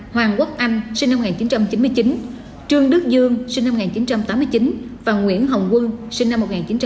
hoàng quốc anh sinh năm một nghìn chín trăm chín mươi chín trương đức dương sinh năm một nghìn chín trăm tám mươi chín và nguyễn hồng quân sinh năm một nghìn chín trăm tám mươi